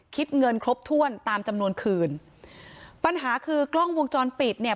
คิดเงินครบถ้วนตามจำนวนคืนปัญหาคือกล้องวงจรปิดเนี่ย